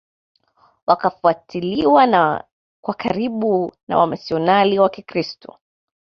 Wakafuatiliwa kwa karibu na wamishionari wa kikristo